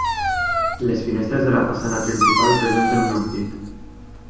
Les finestres de la façana principal presenten un ampit.